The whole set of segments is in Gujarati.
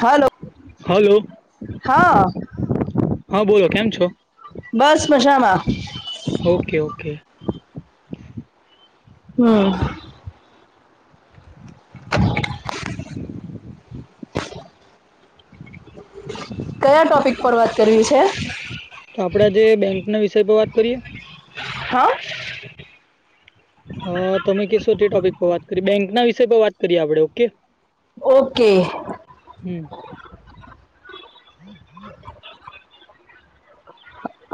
હાલલો હાલો હા હા બોલો કેમ છો બસ મજામાં ઓકે ઓકે હમ કયા ટોપિક પર વાત કરવી છે તો આપડા જે બેંક ના વિષય પર વાત કરીએ હા હ તમે કશો તે ટોપિક પર વાત કરી બેંક ના વિષય પર વાત કરીએ આપડણે ઓકે ઓકે [inaudible] [inaudible]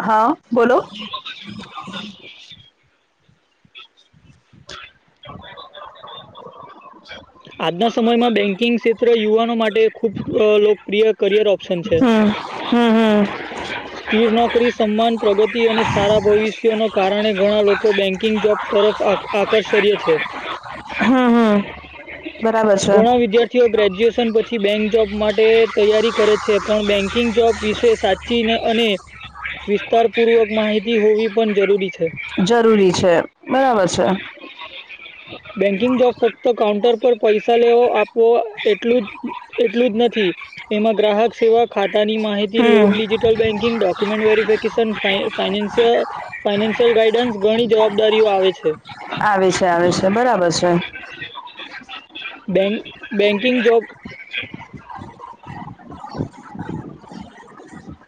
હા બોલો [inaudible] [inaudible] આજના સમયમાં બેંકિંગ ક્ષેત્ર યુવાનો માટે ખુબ લોકપ્રિય કરિયર ઓપ્શન છે હ હમ હમ સ્થિર નોકરી સન્માન પ્રગતિ અને સારા ભવિષ્ય ન કારણે ઘણા લોકો બેંકિંગ જોબ તરફ આકર્ષ આકર્ષય છે. હમ હમ બરાબર છે ઘણા વિદ્યાર્થી થી ગ્રેજ્યુએશન પછી બેંક જોબ માટે તૈયારી કરે છે પણ બેન્કિંગ જોબ વિશે સાચી ચ અને વિસ્તાર પૂર્વક માહિતી હોવી પણ જરૂરી છે જરૂરી છે બરાબર છે બેંકિંગ જોબ ફક્ત કાઉન્ટર પર પૈસા લેવો આપવો એટલું જ એટલું જ નથી એમાં ગ્રાહક સેવા ખાતાની માહિતી હમ loan digital banking document verification financial financial guidance ઘણી જવાબદારીઓ આવે છે. આવી છે, આવી છે, બરાબર છે. બે બેંકિંગ જોબ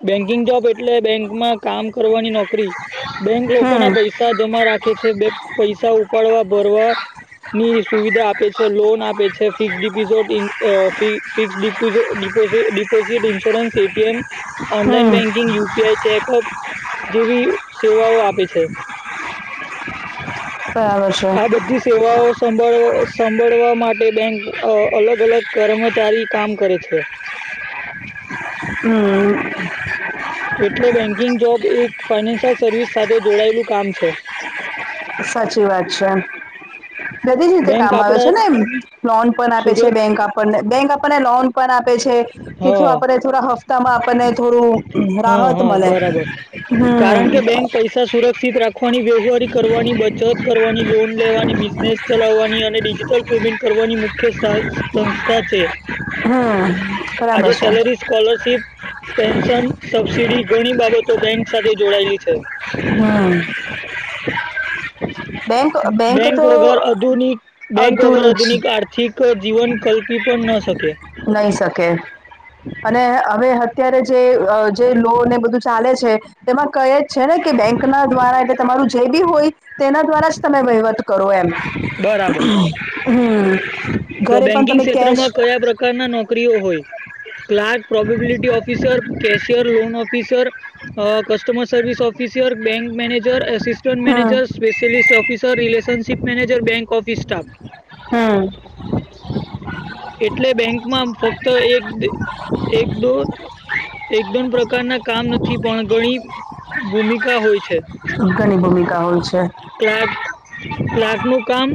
બેંકિંગ જોબ એટલે બેંક માં કામ કરવાની નોકરી. બેંક લોકો હમ ના પૈસા જમા રાખે છે બે પૈસા ઉપાડવા ભરવા ની સુવિધા આપે છે લોન આપે છે. Fix deposit fix deposit, insurance, A T M. Online બ હમ banking U P I check up જેવી સેવાઓ આપે છે. બરાબર છે આ બધી સેવાઓ સંભળ સંંભળવા માટે બેંક અહ અલગ અલગ કર્મચારી કામ કરે છે. હમ્મ હમ્મ. એટલે બેન્કિંગ જોબ એક ફાઈનાન્શિયલ સર્વિસ સાથે જોડાયેલું કામ છે. સાચી વાત છે. બધી જ રીતે બેંક કામ આવે આપડા છે ને લોન પણ આપે શું છે કેવ બેંક આપણને બેંક આપણને લોન પણ આપે છે કે જો હા આપને થોડા હપ્તા માં આપણને થોડું હા રાહત હા મલે. બરાબર હમ્મ. ખવાની વ્યવહારી કરવાની બચત કરવાની લોન લેવાની બિઝનેસ ચલાવવાની અને ડિજિટલ પેમેન્ટ કરવાની મુખ્ય સા-સંસ્થા છે. હમ્મ. આજે સેલરી સ્કોલરશીપ પેન્શન સબસીડી ઘણી બાબતો બેંક સાથે જોડાયેલી છે. હા. બેંક વગર આધુનિક બેંક વગેર અધૂરું જ આધુનિક આ ઠીક અહ જીવન કલ્પી પણ ન શકે. નહી શકે. અને હવે અત્યારે જે અહ જે લો ને બધું ચાલે છે તેમાં કહે છે ને કે બેંક ના દ્વારા એટલે તમારું જે બી હોય તેના દ્વારા જ તમે વહીવટ કરો એમ. બરાબર હમ્મ, ઘરે પણ તમે કેશ પકાર ના નોકરીઓ હોય. Clerk, probability officer, cashier, loan officer uh customer service officer, bank manager, assistant hmm manager, specialist of officer relationship manager bank office staff હા એટલે બેંકમાં ફક્ત એક એક દો એકદમ પ્રકારના કામ નથી પણ ઘણી ભૂમિકા હોય છે અ ઘણી ભૂમિકા હોય છે ક્લાર્ક ક્લાર્ક નું કામ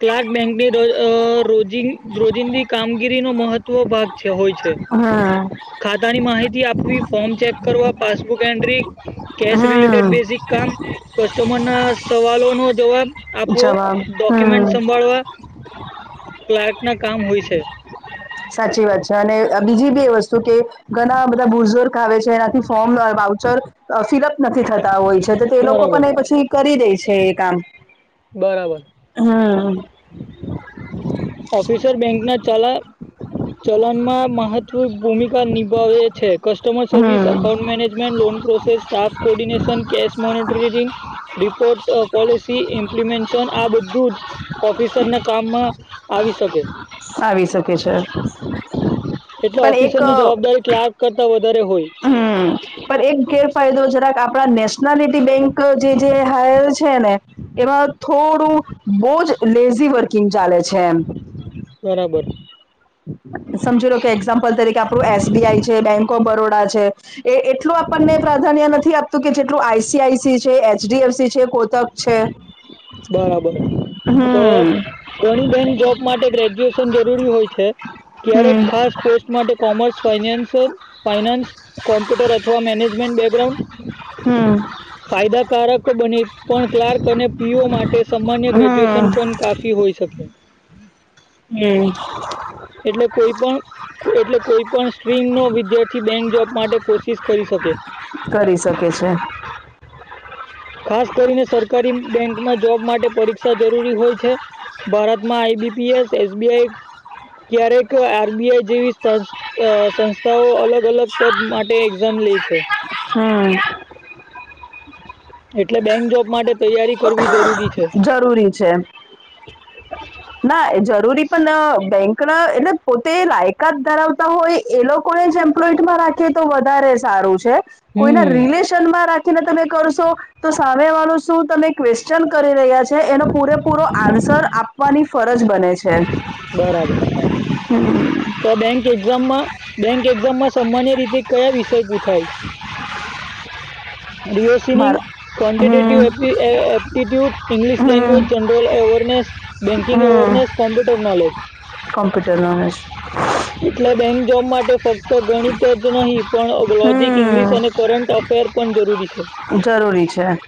ક્લાર્ક બેંકની અ રોજિંગ રોજિંદી કામગીરી નો મહત્વ ભાગ છે હોય છે હમ ખાતાની માહિતી આપવી ફોર્મ ચેક કરવા પાસબુક એન્ટ્રી કેશ રિલેટેડ હમ બેસિક કામ કસ્ટમર ના સવાલો નો જવાબ આપવો જવાબ ડોક્યુમેન્ટ હમ સંભાળવા ક્લાર્ક ના કામ હોય છે સાચી વાત છે અને બીજી બી એ વસ્તુ કે ઘણા બધા બુર્ઝુર્ગ આવે છે. જેનાથી ફોર્મ બાઉચર આ ફિલઅપ નથી થતા હોય છે તો તે લોકો બરાબર પણ એ પછી કરી દે છે એ કામ બરાબર હમ્મ ઓફિસર બેંક ના ચલા ચલનમાં મહત્વ ભૂમિકા નિભાવે છે કસ્ટમર સર્વિસ હમ account manage management loan process staff coordination cash monitoring report policy implementation આ બધું જ ઓફિસર ના કામમાં આવી શકે. આવી શકે છે. એટલે પણ ઓફિસર એક ની જવાબદારી ક્લારક કરતા વધારે હોય. હમ પણ એક ગેરફાયદો જરાક આપણા નેશનાલિટી બેંક જે જે હાયર છે ને એમાં થોડું બહુ જ લેઝી વર્કિંગ ચાલે છે એમ. બરાબર. સમજી લો કે એક્ઝામ્પલ તરીકે આપણું એસ બી આઈ છે બેંક ઓફ બરોડા છે. એ એટલું આપણને પ્રાધાન્ય નથી આપ તો કે જેટલું આઈ સી આઈ સી છે એચ ડી એફ સી છે કોથક છે. બરાબર તો હમ ઘણી બેન જોબ માટે ગ્રેજ્યુએશન જરૂરી હોય છે. ક્યારેક હમ ખાસ પોસ્ટ માટે કોમર્સ ફાઇનાન્સ ફાઈનાન્સ કોમ્પ્યુટર અથવા મેનેજમેન્ટ બેકગ્રાઉન્ડ હમ ફાયદાકારક બને પણ ક્લાર્ક અને પીઓ માટે સામાન્ય ગ્રેજ્યુએશન હમ પણ કાફી હોઈ શકે. હમ્મ. એટલે કોઈ પણ એટલે કોઈ પણ સ્ટ્રીમ નો વિદ્યાર્થી બેંક જોબ માટે કોશિશ કરી શકે. કરી શકે છે. ખાસ કરીને સરકારી બેંકમાં જોબ માટે પરીક્ષા જરૂરી હોય છે. ભારતમાં I B P S S B I ક્યારેક આર બી આઈ જેવી સંસ્થ આ સંસ્થાઓ અલગ અલગ પદ માટે એક્ઝામ લઈ છે. હમ્મ. એટલે બેંક જોબ માટે તૈયારી કરવી જરૂરી છે. જરૂરી છે. ના જરૂરી પણ બેંક ના એટલે પોતે લાયકાત ધરાવ તા હોય એ લોકોને જ એમ્પ્લોઈડમાં રાખીએ તો વધારે સારું છે. કોઈના હમ રિલેશનમાં રાખીને તમે કરશો તો સામે વાળું શું તમે ક્વેશ્ચન કરે રહ્યા છે એનો પૂરેપૂરો આન્સર આપવાની ફરજ બને છે. બરાબર તો બેંક એક્ઝામમાં બેંક એક્ઝામમાં સામાન્ય રીતે કયા વિષય પૂછાય. રિયોસનિંગ મારા કોન્ટેટીવ હમ એપલી એ એપટીટ્યુડ ઇંગ્લિશ હમ લેંગ્વેજ જન general awareness banking awareness computer knowledge. Computer knowledge. [inaudible] એટલે બેંક જોબ માટે ફક્ત ગણિત જ નહીં પણ લોજિક હમ ઇંગ્લિશ અને કરંટ અફેર પણ જરૂરી છે. જરૂરી છે.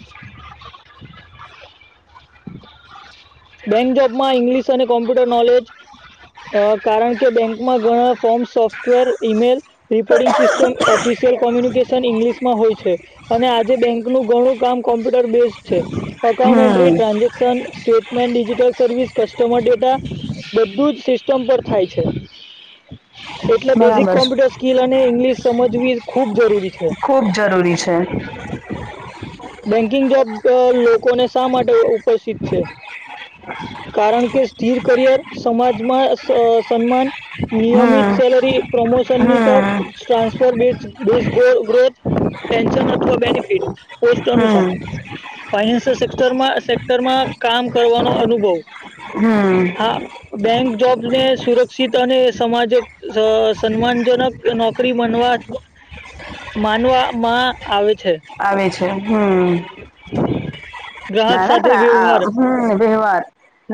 બેંક જોબ માં ઇંગ્લિશ અને કોમ્પ્યુટર નોલેજ આ કારણ કે બેંકમાં ઘણા form software email reporting system official communication ઇંગ્લિશમાં હોય છે. અને આજે બેંકનું ઘણું કામ કોમ્પ્યુટર બેઝડ છે અકાઉન્ટ હમ entry transaction state digital service customer data બધું જ સિસ્ટમ પર થાય છે એટલે બેઝિક બરાબર છે. કોમ્પ્યુટર સ્કીિલ અને ઈંગ્લિશ સમજવી ખુબ જરૂરી છે ખૂબ જરૂરી છે. બેન્કિંગ જોબ આ લોકોને શા માટે ઉપસ્થિત છે. કારણ કે સ્થિર કરિયર સમાજમાં આ સન્માન નિયમિત હમ સેલરી પ્રમોશનની હમ તક transfer growth pension benefit. Post અનુસાર હમ ફાઈનાન્સલ સેર સેક્ટરમાં કામ. કરવાનો અનુભવ હમ હા. બેંક જોબ્ ને સુરક્ષિત અને સમાજક સન્માનજનક નોકરી બનવા. માનવામાં આવે છે. આવે છે હમ. ગ્રાહક ના ના સાથે પણ વ્યવહાર આ હ વ્યવહાર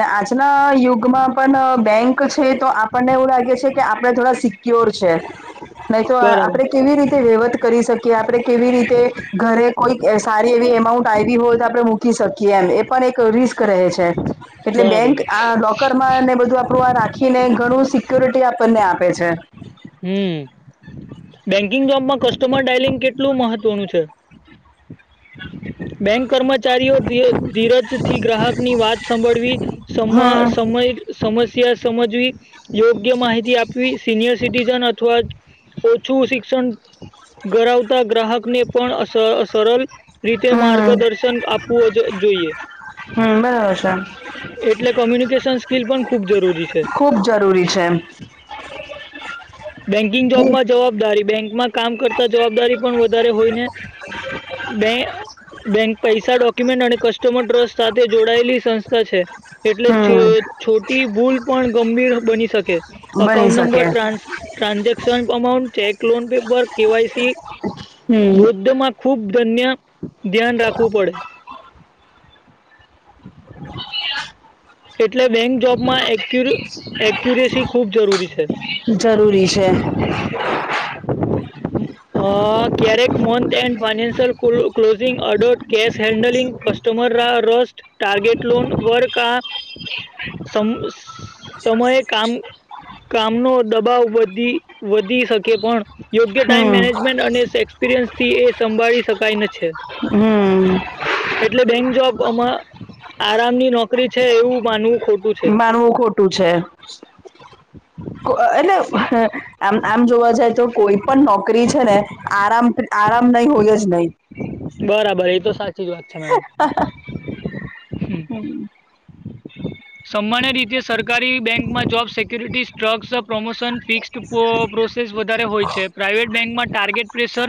આજના યુગમાં પણ બેંક. છે તો આપણને એવું લાગે છે કે આપણે થોડા. પ્યોર છે નહી તો બરાબર આપડણે કેવી રીતે વહીવત કરી શકીએ. કે આપડે કેવી રીતે ઘરે કોઈ સારી એવી એમાઉન્ટ આવી હોય તો આપડે. કી શકીએ એમ એ પણ એક રિસ્ક. છે એટલે બરાબર બેંક આ લોકર માંને બધું આપડું આ રાખી. ને ઘણું સિક્યોરિટી આપણને આપે છે. હમ. બેન્કિંગ જોબમાં કસ્ટમર ડાયલિંગ કેટલું મહત્વનું છે. બેંક કર્મચારીઓ ધીરજથી ગ્રાહક ની વાત સાંભળવી. સમ હમ સમય. સમસ્યા સમજવી યોગ્ય માહિતી આપવી સિનિયર સિટીઝન અથવા. ઓછું શિક્ષણ ધરાાવતા ગ્રાહકને પણ સરળ. તે હમ માર્ગદર્શન આપવો જોઈએ. હમ બરાબર છે. એટલે કોમ્યુનિકેશન સ્કીિલ પણ ખુબ જરૂરી છે. ખૂબ જરૂરી છે. બેંકિંગ જોબમાં જવાબદારી બેંકમાં કામ કરતા જવાબદારી પણ વધારે હોય ને. બે. બેંક પૈસા ડોક્યુમેન્ટ અને કસ્ટમર ટ્રસ્ટ સાથે જોડાયેલી સંસ્થા છે. એટલે હમ છોટી ભૂલ પણ ગંભીર બની શકે. બની અકાઉન્ટ શકે number trans. Transaction amount check loan paper KYC હમ વૃદ્ધમાં. ખુબ ધન્ય ધ્યાન રાખવું પડે. એટલે બેંક જોબમાં એકુ એક્યુરેસી ખૂબ જરૂરી છે. જરૂરી છે. [inaudible] ક્યારેક મંથ એન્ડ ફાાયનાન્સિયલ ક્લોઝિંગ અડર્ટ cash handling કસ્ટ. Customer rush target loan વર ક. [inaudible] કામનો દબાવ વધી વધી શકે પણ. યોગ્ય ટાઈમ હમ મેનેજમેન્ટ અને એક્સપિરિયન્સ થી એ સંભાળી શકાય છે. હમ. એટલે બેંક જોબમાં આરામની નોકરી છે એવું માનવું ખોટું. છે માનવું ખોટું છે. [inaudible] [inaudible] એટલે આમ આમ જોવા જાય તો કોઈ પણ નોકરી છે ને આરામ. આરામ નહી હોય જ નહી. બરાબર એ તો સાચી જ વાત છે મેડમ હ. હમ્મ. સામાન્ય રીતે સરકારી બેંકમાં જોબ સેિક્યુરિટી સ્ટ્રગસ પ્રમોશન ફિક્સ પ્રોસેસ વધારે હોય છે પ્રાઇવેટ બેંકમાં ટાર્ગેટ પ્રેશર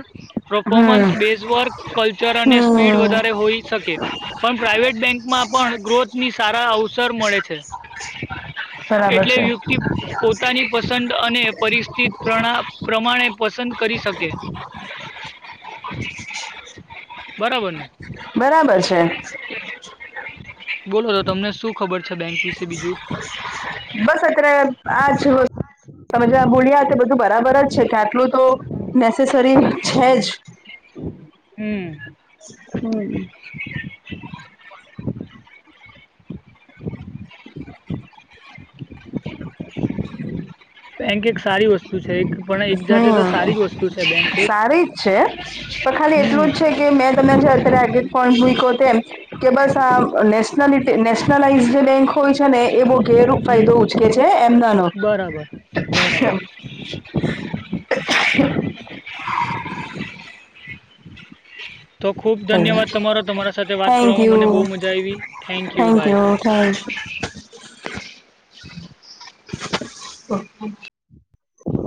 હમ પરફોમન્સ બેઝ વર્ક કલ્ચર અને સ્પીડ વધારે હોઈ શકે પણ પ્રાઇવેટ બેંકમાં પણ ગ્રોથની સારા હાઉસ સર મળે છે બરાબર એટલે છે વ્યક્તિ પોતાની પસંદ અને પરિસ્થિત પ્રમાણે પસંદ કરી શકે બરાબર ને બરાબર છે. બોલો તો તમને શું ખબર છે બેંક વિશે બીજું બસ અત્યારે આજ તજ મૂળિયા બધું બરાબર જ છે તા એટલું તો નેસેસરી છે જ હમ્મ. હમ્મ. બેંક એક સારી વસ્તુ છે એક પણ એક જાતે તો હમ્મ. સારી જ વસ્તુ છે બેંક એક સારી જ છે પણ ખાલી હમ એટલું જ છે કે મેં તમને જે અત્યારે આગે ફોન મૂક્યો તેમ કે બસ આ નેલ નેશનલાઈઝ જે બેંક હોય છે ને એ બઉ ફેરુ હમ ફાયદો ઉચકે છે એમ નાનો બરાબર બરાબર તો ખૂબ ધન્યવાદ તમારો તમારા સાથે વાત થેન્ક કરવામાં યુ મને બહુ મજા આવી થેન્કયુ બાય. તો [inaudible]